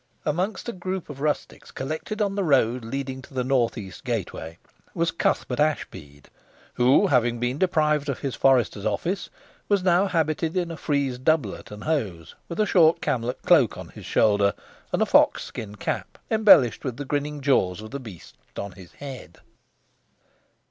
Amongst a group of rustics collected on the road leading to the north east gateway, was Cuthbert Ashbead, who having been deprived of his forester's office, was now habited in a frieze doublet and hose with a short camlet cloak on his shoulder, and a fox skin cap, embellished with the grinning jaws of the beast on his head.